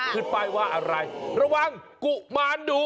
ขึ้นป้ายว่าอะไรระวังกุมารดุ